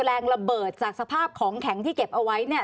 แรงระเบิดจากสภาพของแข็งที่เก็บเอาไว้เนี่ย